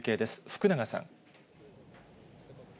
福永さん。